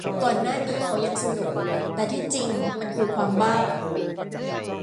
ก่อนหน้านี้เขายังสนุก แต่ที่จริงมันคือความบ้า